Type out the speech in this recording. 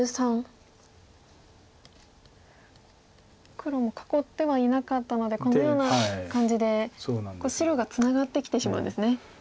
黒も囲ってはいなかったのでこのような感じで白がツナがってきてしまうんですね。